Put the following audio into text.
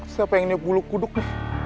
siapa yang ngepuluk kuduk nih